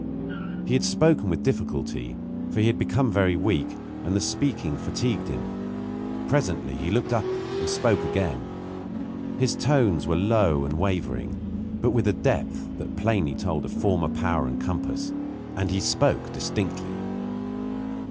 He had spoken with difficulty, for he had become very weak, and the speaking fatigued him. Presently he looked up and spoke again. His tones were low and wavering, but with a depth that plainly told of former power and compass; and he spoke distinctly.